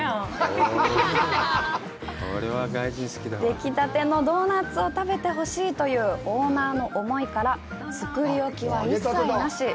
できたてのドーナツを食べてほしいというオーナーの思いから作り置きは一切なし！